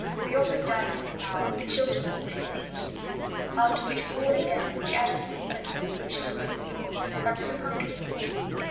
We often dined at this hour, the children at a little table in the room, after which we all lay down, the adults on sofas and the children on the floor, under the punkah in the hall.